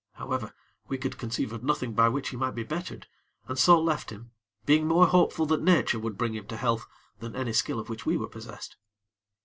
However, we could conceive of nothing by which he might be bettered, and so left him, being more hopeful that Nature would bring him to health than any skill of which we were possessed.